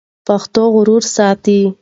پښتو غرور ساتي.